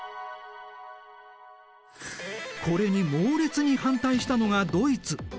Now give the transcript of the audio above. これに猛烈に反対したのがドイツ。